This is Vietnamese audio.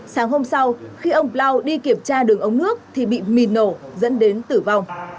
sáng hôm sau khi ông bloud đi kiểm tra đường ống nước thì bị mìn nổ dẫn đến tử vong